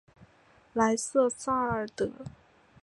莱瑟萨尔德。